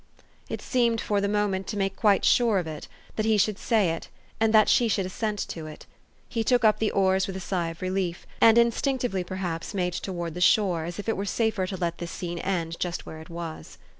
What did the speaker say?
It seemed for the moment to make quite sure of it, that he should say it, and that she should assent to it. He took up the oars with a sigh of relief, and instinctively, perhaps, made toward the shore, as if it were safer to let this scene end just where it was.